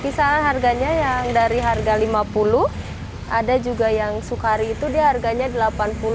kisaran harganya yang dari harga rp lima puluh ada juga yang sukari itu dia harganya rp delapan puluh